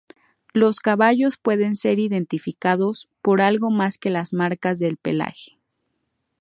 Los caballos pueden ser identificados por algo más que las marcas del pelaje.